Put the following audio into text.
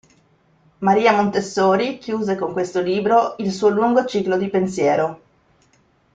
Maria Montessori chiuse con questo libro il suo lungo ciclo di pensiero.